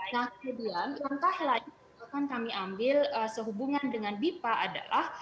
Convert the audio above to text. nah kemudian langkah lain yang akan kami ambil sehubungan dengan bipa adalah